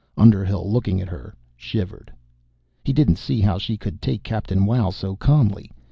Underhill, looking at her, shivered. He didn't see how she could take Captain Wow so calmly.